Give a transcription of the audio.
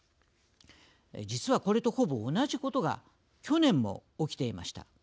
実は、これとほぼ同じことが去年も起きていました。